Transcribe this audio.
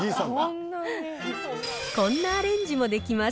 こんなアレンジもできます。